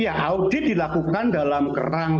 ya audit dilakukan dalam kerajaan agama